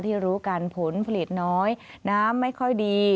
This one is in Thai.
รู้กันผลผลิตน้อยน้ำไม่ค่อยดี